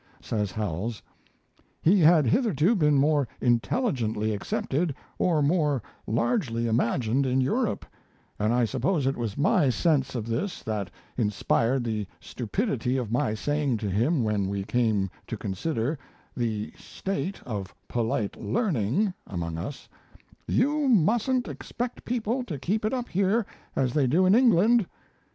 Says Howells: He had hitherto been more intelligently accepted or more largely imagined in Europe, and I suppose it was my sense of this that inspired the stupidity of my saying to him when we came to consider "the state of polite learning" among us, "You mustn't expect people to keep it up here as they do in England."